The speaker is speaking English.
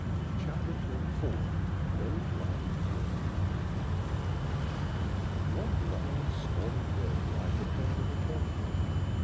CHAPTER XXIV "NO BLIND DRIFTING" One long, stormy day I prepared an account book.